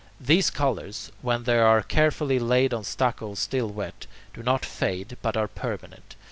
These colours, when they are carefully laid on stucco still wet, do not fade but are permanent.